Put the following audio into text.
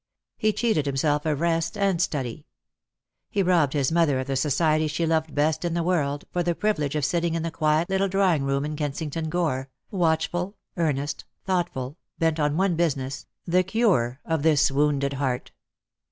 He cheated himself of rest and study. He robbed his mother of the society she luved best in the world, for the privilege of sitting in the quiet little drawing room in Kensington Gore, watchful, earnest, thoughtful, bent on one business, the cure of this wounded heart.